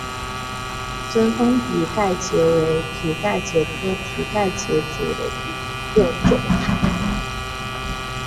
贞丰蹄盖蕨为蹄盖蕨科蹄盖蕨属下的一个种。